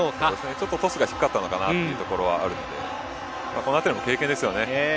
ちょっとトスが低かったのかなというところあるのでこのあたりも経験ですよね。